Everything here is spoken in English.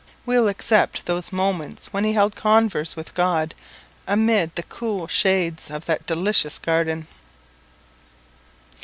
We will except those moments when he held converse with God amid the cool shades of that delicious garden.